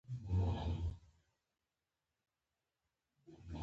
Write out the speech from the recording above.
• واده د ژوند تر ټولو ښکلی پیوند دی.